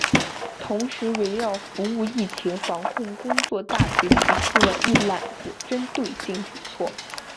同时围绕服务疫情防控工作大局提出了“一揽子”针对性举措